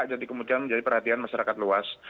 jadi kemudian menjadi perhatian masyarakat luas